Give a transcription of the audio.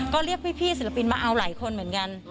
ก็เรียกพี่ศิลปินมาเอาหลายคนเหมือนกัน